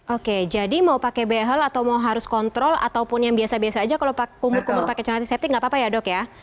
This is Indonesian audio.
oke jadi mau pakai behel atau mau harus kontrol ataupun yang biasa biasa aja kalau berkumur pakai antiseptik nggak apa apa ya dok ya